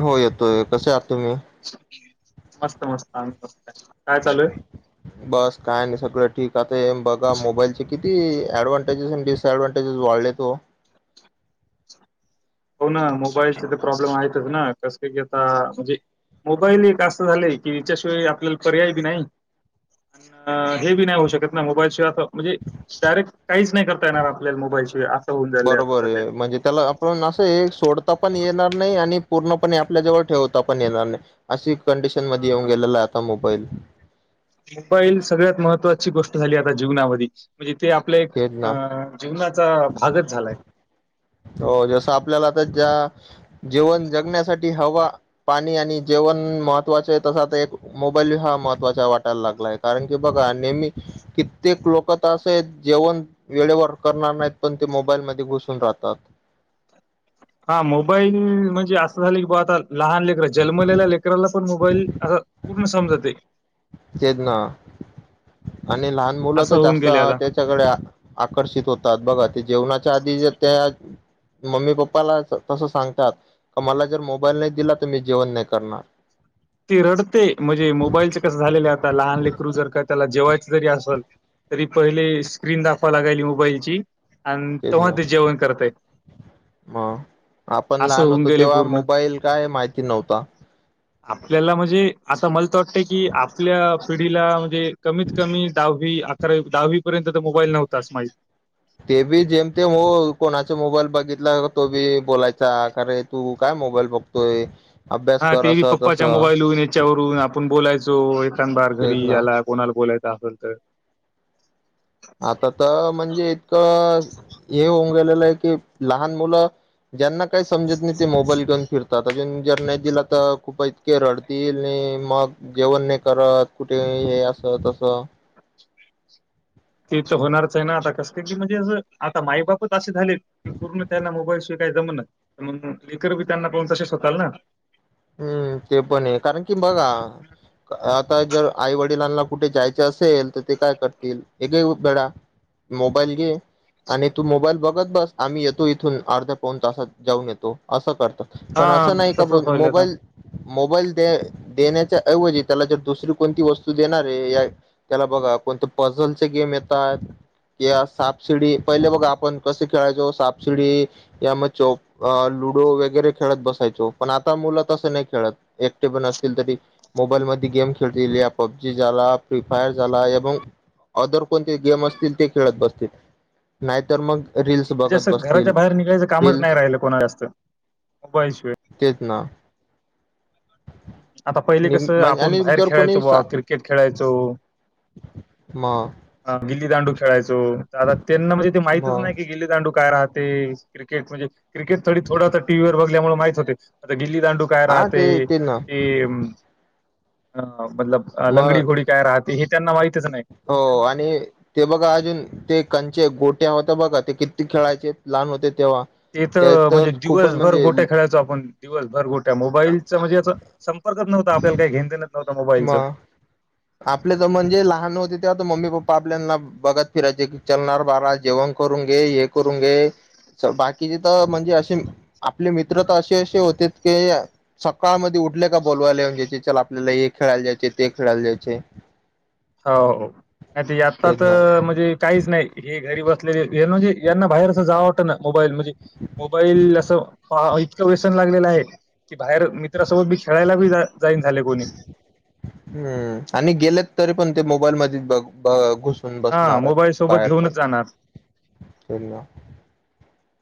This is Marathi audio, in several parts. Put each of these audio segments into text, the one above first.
होयं होयं कसे आहंत तुम्हीं मस्तं मस्तं आम्हीं मस्तं कायं चालये? [inaudible] [unintelligible] बसं कायं नाहीं सगळं ठीक आंता हे बघां मोबाईलचे किती ऍडव्हांटेजेस आणि डिसएडव्हांटेजेस वाढलेत ओ? हो नां मोबाईलचे ते प्रॉब्लेम आहेतंच नां कसं की आंता म्हणजे मोबाईल एक असं झालेय की, यांच्याशिवाय आपल्याला पर्याय बी नाहीं अं हे बी नाहीं होऊं शकतं नां, मोबाईल शिवायं असं म्हणजे डायरेक्ट कांहींचं नाहीं करतां येणारं आपल्याला मोबाईल शिवायं असं होऊंन जाललंय आंता बरोबर संध्या. आहे. म्हणजे त्यांला पणं असं हे सोडंता पणं येणारं नाहीं आणि पूर्णपणे आपल्या जवळं ठेवतां पणं येणारं नाहीं. अशी कंडिशन मध्यें येऊंन हा गेलेलां आंता मोबाईल. मोबाईल सगळ्यांत महत्त्वांची गोष्टं झाली आंता जीवनांमध्यें म्हणजे तेे आपले एक तेच ना. अं जीवनांचा भागंच झालांय. हो जसं आपल्यांला आंता ज्यां जेवणं जगण्यांसाठी हवां हवां पाणी आणि जेवणं महत्त्वांचे तसं आंता एक मोबाईल हां महत्वांचा वाटांयला लागलांय कारणं की बघां नेहमी कित्येक लोकं तं असं आहेतं जेवणं वेळेवरं करणारं नाहीतं पणं ते मोबाईल मध्यें घुसूंन राहतांत तांत हां मोबाईल म्हणजे असं झालंय की बां आंता लहांन लेकरं जन्मलेल्या लेकरांला पणं मोबाईल असां पूर्ण समजतंय. तेचं नां आणि लहांन मुलं असं तरं होऊन गेले जास्तं आता. त्यांच्याकडे आकर्षित होतांत बघां ते जेवणांच्या आंधी त्यां मम्मी पप्पाला तसं सांगतात. का मला जर मोबाईल नाही दिला. तर मी जेवण नाही करणार. ते रडते. म्हणजे मोबाईलचे कसं झालेले. आता लहान लेकरु जर का त्याला जेवायच जरी असंल तरी पहिले स्क्रीन दाखवा लागायची मोबाईलची. अन तव्हा ते जेवण करतंय. मं आपण असं लहान होऊन होतो. गेले तेव्हा पूर्ण मोबाईल काय हे माहिती नव्हतं. आपल्याला म्हणजे आता मला तं वाटतं की, आपल्या पिढीला म्हणजे कमीत कमी दहावी, अकरा दहावी पर्यंत तर मोबाईल नव्हता माहित ते बी जेमतेम हो. कोणाचा मोबाईल बघितला तो बी बोलायचा कारे तू काय मोबाईल बघ तोय. हा ते बी पप्पाच्या मोबाईल वरून, याच्यावरून आपण बोलायचो एखांद बार तेच घरी ना आलात. कोणाला बोलायचं असंल तर, आता तं म्हणजे इतकं हे होऊन गेलेलं आहे की, लहान मुलं ज्यांना काही समजत नाही. ते मोबाईल घेऊन फिरतात. अजून जर नाही दिला तर खूप इतके रडतील नी मग जेवण नाही करत. कुठे हे असं तसं. तेच होणारच आहे ना. ते म्हणजे आता असं म्हणजे असं आता माईबापच असे झालेत. की पूर्ण त्यांना मोबाईल शिवाय जमंना. लेकर बी त्यांना पाहून तसेच होताल ना. हम्म. ते पण ये कारण कि बघा आता जर आई वडिलांना कुठे जायचं असेल, तर ते काय करतील, हे घे बाळा मोबाईल घे आणि तू मोबाईल बघत बस. आम्ही येतो इथून अर्ध्या पाऊण तासात जाऊन येतो असं करता. पण हा असं नाही का, तसंच बोल व्हायल आता. मोबाईल दे देण्याच्या ऐवजी त्याला जर दुसरी कोणती वस्तू देणारे आहे. या त्याला बघा कोणते पझलचे गेम येतात. या सापसिडी पहिले बघा आपण कसे खेळायचो सापसिडी यमोचोक लुडो वगैरे खेळत बसायचो पण आ ता मुलं तस नाही खेळत. एकटे पण असतील तरी. मोबाईल मध्ये गेम खेळतेल्या. पबजी झाला फ्री फायर झाला ए अथर कोणते गेम असतील ते खेळत बसतील नाहीतर मग रील्स बघत जास्त घराच्या बसतील बाहेर निघायचं कामच नाही रील्स राहिलं कोणा जास्त मोबाईल शिवाय. तेच ना. आता पहिले कसं, आपण आणि बाहेर जर खेळायचो कोणी बुवा क्रिकेट खेळायचो. मं. गिल्लीदांडू खेळायचो. आता त्यांना म्हणजे ते म माहितच नाही की गिल्लीदांडू काय राहात. ते क्रिकेट म्हणजे क्रिकेट थोडी थोडं टीव्हीवर बघल्यामुळे माहित होते. आता गिल्ली दांडू काय हा राहते. ते ते ना कि मतलब मग लंगडी घोडी काय राहते हे त्यांना माहितचं नाही. हो आणि ते बघा अजून ते कंचे गोट्या होत बघा ते किती खेळायचे लहान होते तेव्हा. तेथं म्हणजे त्यात खूपच दिवसभर म्हणजे गोठ्या खेळायचो आपण दिवसभर गोठ्या मोबाईलचं म्हणजे असं संपर्कच नव्हता. आपल्याला काही घेणं देणं नव्हतं म मोबाईलचं. आपले तर हम्म. म्हणजे लहान होते. तेव्हा तर मम्मी पप्पा आपल्याना बघत फिरायचे की चलणार बाळा जेवण करून घे. हे करून घे. बाकीचे तर म्हणजे असे आपले मित्र तर असे असे होतेत की, सकाळ मध्ये उठले का बोललावायला येऊन चल आपल्याला हे खेळायला जायचे ते खेळायला जायचे. चे? हो नाही ते आताच ना मजे काहीच नाही हे घरी बसलेले म्हणजे यांना बाहेर असं जावं वाटतं ना मोबाईल मध्ये. मोबाईल असं इतकं वेसन लागलेलं आहे. कि बाहेर मित्रासोबत मी खेळायला बि जाईन झाले कोणी. हम्म आणि गेलेत तरी पण ते मोबाईल मध्ये गुसतात. हा बसणार मोबाईल सोबत बाहेर पण घेऊनच जाणार. ना.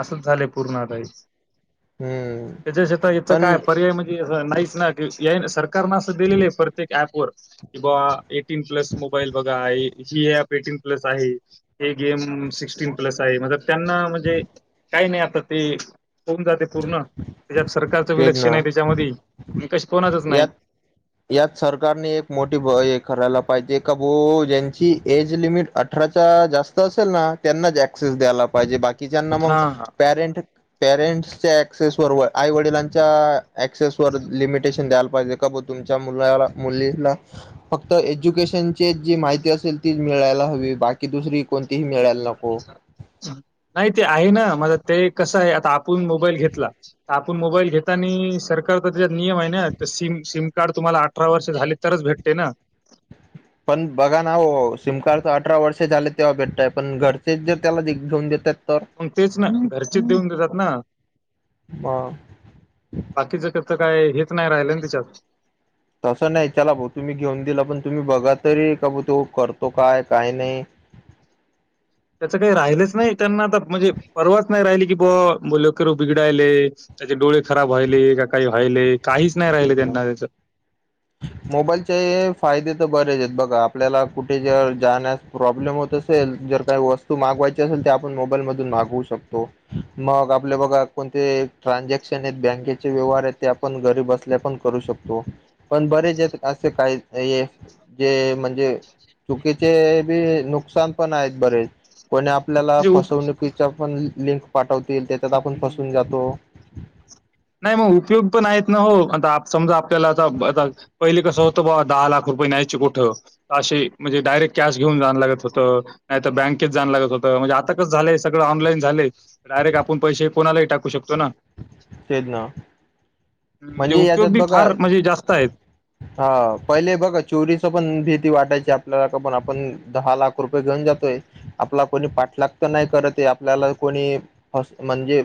असंचं झालं पूर्ण आता हे. हम्म त्याच्या शिवाय याच पण काय पर्याय म्हणजे नाहीचं ना. सरकारनं असं दिलेलं आहे प्रत्येक अँप वर. कि बा एटीन प्लस मोबाईल बघा आहे जी अँप एटीन प्लस आहे. हे गेम सिक्स्टीन प्लस आहे म्हणज त्यांना म्हणजे काही नाही आता ते होऊन जाते पूर्ण त्याच्यात सरकारचं तेच विलक्षण ना आहे त्याच्यामध्ये विकास कोणाचं नाही? यात यात सरकारने एक मोठी हे करायला पाहिजे का बो ज्यांची एज लिमिट अठराच्या जास्त असेल ना त्यांनाच ऍक्सेस दयला पाहिजे बाकी कि ज्यांना मग हा पॅरेंट पॅरेंट्सच्या एक्सेस बरोबर आई वडिलांच्या ऍक्सेस वर लिमिटेशन दयला पाहिजे का ब तुमच्या मुलाला मुलीला फक्त एज्युकेशनची जी माहिती असेल ती मिळायला हवी बाकी दुसरी कोणतीही मिळायला नको. नको. नाही ते आहे ना ते कसं आहे आता आपण मोबाईल घेतला आपण मोबाईल घेता आणि सरकार तर त्या नियम आहे ना सिम सिम कार्ड तुम्हाला अठरा वर्ष झाले तरच भेटते ना. पण बघा ना हो सिमकार्डच अठरा वर्ष झाले तेव्हा भेटतयं पण घरचे जे त्याला घेऊन देतात. तर मग तेच ना घरचे देऊन देतात ना मग बाकीचं काय हेच नाही राहिलं ना त्याच्यातं. तसं नाही चला भाऊ तुम्ही घेऊन दिला पण तुम्ही बघा तरी का ब तो करतो काय काही नाही. त्याचं काही राहिलंच नाही त्यांना आता म्हणजे परवाच नाही राहिली कि बुआ मुलं बिघडायले. त्याचे डोळे खराब व्हाले का काही व्हाले काहीचं नाही राहिले त्यांना त्याचं. मोबाईलचे फायदे तर बरेच आहेत बघा आपल्याला कुठे जाण्यास प्रॉब्लेम होत असेल जर काही वस्तू मागवायची असेल तर आपण मोबाईल मधून मागवू शकतो. मग आपले बघा कोणते ट्रानझॅक्शन आहेत बँकेचे व्यवहार आहेत ते आपण घरी बसून करू शकतो. पण करू शकतो पण बरे ज असे काहीच नाहीये. जे म्हणजे चुकीचे बी नुकसान पण आहेत बरेच कोणी आपल्याला म्हणजे उप फसवणुकीच्या पण लिंक पाठवतील त्याच्यात आपण फसून जातो. नाही मग उपयोग पण आहेत ना हो आ समजा आपल्याला आता आ पहिले कसं होतं बाबा दहा लाख रुपये न्यायचे कुठं. अशी म्हणजे डायरेक्ट कॅश घेऊन जायं लागत होतं. नाही तर बँकेत जाणं लागत होत म्हणजे आताच झालंय सगळं ऑनलाईन झालंय. डायरेक्ट आपण पैसे कोणालाही टाकू शकतो ना. तेच ना म्हणजे उपयोग याच्यात बी बघा फार म्हणजे जास्त आहेत. हा पहिले बघ चोरीच पण भीती वाटायची आपल्याला का पण आपण दहा लाख रुपयाे घेऊन जातोय. आपला कोणी पाठलागत नाही करत आपल्याला कोणी म्हणजे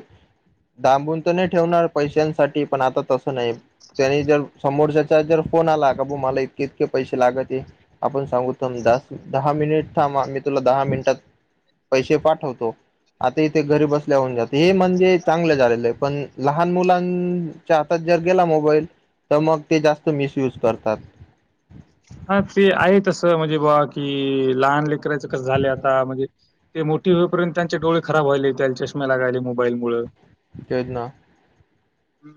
डांबून तर नाही ठेवणार पैशांसाठी पण आता तसं नाही. त्यांनी जर समोरच्याच्या जर फोन आला का बू मला इतके इतके पैसे लागते. आपण सांगून [unintelligible] दहा मिनिट थांब मी तुला दहा मिनिटांत पैसे पाठवतो, आता इथे घरी बसल्या होऊन जात हे म्हणजे चांगले झालेले आहे. पण लहान मुलांच्या हातात जर गेला मोबाईल तर मग ते जास्त मिसयूज करतात. हा ते आहे तसं म्हणजे बा कि लहान लेकरांच कसं झालं आता म्हणजे ते मोठी होईपर्यंत त्यांचे डोळे खराब व्हायले त्या चष्म्या लागाले मोबाईलमुळं. तेच ना. हं.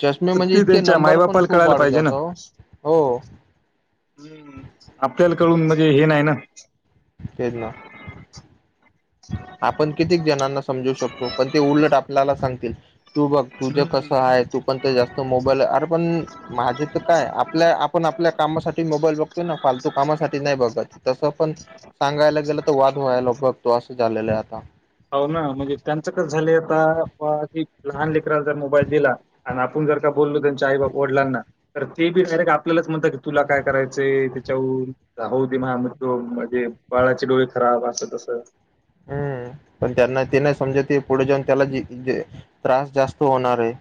चष्मे तर म्हणजे ते इतके त्यांच्या नंबर पण आई-बापाला खूप कळायला वाढून पाहिजे ना. जातो, हो. हम्म, आपल्यालाकडून म्हणजे हे नाही ना तेच ना. आपण कितीेक जणांना समजू शकतो पण ते उलट आपल्याला सांगतेत. तू बघ तुझं कसं हं. आहे तू पण ते जास्त मोबाईल अरे पण माझे तर काय आपल्या आपण आपल्या कामासाठी मोबाईल बघ तो ना फालतू कामासाठी नाही बघत तसं पण सांगायला गेलं तर वाद व्हायला नको. तो असं झालेलं आहे आता. हो ना म्हणजे त्यांचं कसं झाले आता लहान लेकराला जर मोबाईल दिला आणि आपण जर का बोललो त्यांच्या आई बाप वडलांना तर ते बी डायरेक्ट आपल्यालाच म्हणतात की तुला काय करायचंय त्याच्यावरून. होऊ दे माझं मी बघतो म्हणजे बाळाचे डोळे खराब असं तसं. हम्म, पण त्यांना ते नाही समजते पुढे जाऊन त्याला जे जे त्रास जास्त होणारे.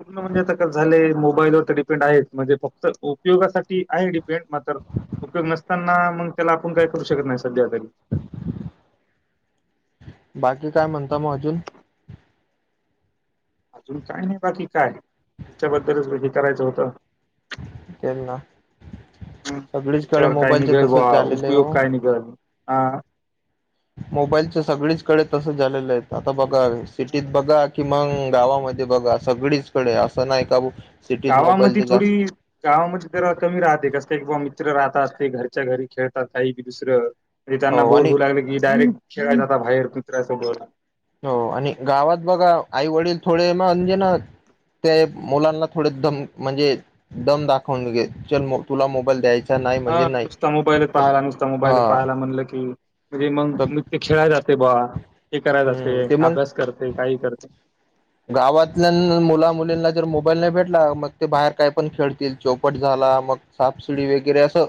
पूर्ण म्हणजे आता कसं झाले मोबाईलवर तर डिपेंड आहेत म्हणजे फक्त उपयोगासाठी आहे डिपेंड मात्र उपयोग नसताना मग त्याला आपण काय करू शकत नाही सध्या तरी. बाकी काय म्हणता मग अजून? अजून काय नाही बाकी काय याच्याबद्दलच करायचं होतं. तेच ना. हम् सगळीचकडे त्याच्यावर काय मोबाईलचे निघाल बा तसच झालेले आहे उपयोग हो काय निघल हा. मोबाईलच्या सगळीचकडे तसं झालेलं आहे आता बघा सिटीत बघा कि मग गावामध्ये बघा सगळीचकडे असं नाही का सिटीत गावामध्ये मोबाईलचे जास्त थोडी गावामध्ये जरा कमी राहते कसंय की बा मित्र राहत असते घरच्या घरी खेळतात काही दुसरं म्हणजे त्यांना हो बोर आणि होऊ लागले की डायरेक्ट खेळला जात बाहेर मित्रासोबत. हो आणि गावात बघा आई वडील थोडे मग म्हणजे ना ते मुलांना थोडे दम म्हणजे दम दाखवून घे चल तुला मोबाईल द्यायची हा नुसता मोबाईलत पाहायला नुसता मोबाईलत हा पाहायला म्हणलं की म्हणजे मग तर न ते खेळाय जातयं बा हे करायला हम्म जाते ते मग अभ्यास करते काही करते. गावातल्या मुला मुलींना जर मोबाईल नाही भेटला मग ते बाहेर काय पण खेळतील चौपट झाला मग सापसीडी वगैरे असं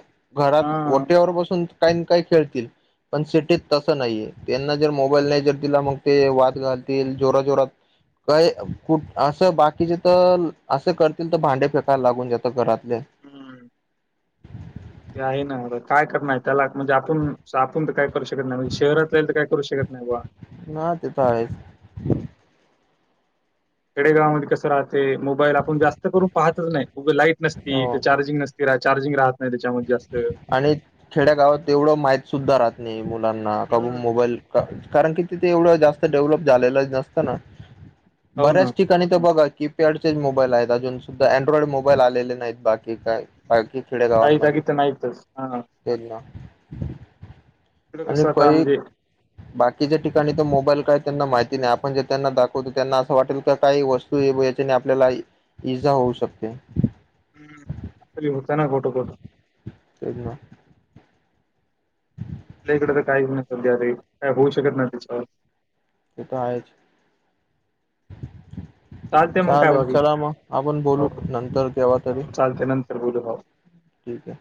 हा घरात ओट्यावर बसून काही ना काही खेळतील. पण सिटीत तसं नाही आहे, त्यांना जर मोबाईल नाही जर दिला मग ते वाद घालतील जोरा जोरात काय कु असं बाकीचे तर असं करतील तर भांडे फेकायला लागून देतात घरातले. हम्म. ते आहे ना काय करणार त्याला म्हणजे आपण आपण तर काय करू शकत नाही, म्हणजे शहरात राईल तर काय करू शकत नाही बा. ना तेच आहेच. खेडेगावामध्ये कसं राहते मोबाईल आपण जास्त करून पाहतच नाही उग लाईट नसती तर आहेच चार्जिंग नस चारजिंग राहत नाही त्याच्यामध्ये जास्त आणि खेड्या गावात तेवढं माहित सुद्धा राहत नाही मुलांना काब हम्म मोबाईल कारण की तिथे एवढं जास्त डेव्हलप झालेलं नसतं ना हो ना बऱ्याच ठिक आणि [unintelligible] ते बघा कीपॅडचे मोबाईल आहेत अजून सुद्धा अँड्रॉइड मोबाईल आलेले नाहीत बाकी काय बाकी खेडे गावांनमध्ये ते नाहीतच आ ते ना तिकडं आणि कसं आता कोही म्हणजे बाकीच्या ठिकाणी तो मोबाईल काय त्यांना माहिती नाही आपण जे त्यांना दाखवतो त्यांना असं वाटेल का काही गोष्ट याच्याने आपल्याला इजा होऊ शकते हम्म अस हो चां ठ होतो तेच ना. आपल्या इकडे तर काही हो [unintelligible] सध्या तरी काय होऊ शकत नाही त्याच्यावर ते तर आहेच. चालते मग काय चालल बाकी चला मग आपण बोलू हो नंतर केव्हा तरी हो चालते नंतर बोलू हो ठीक आहे.